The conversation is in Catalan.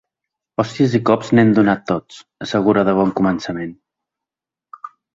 Hòsties i cops n’hem donat tots, assegura de bon començament.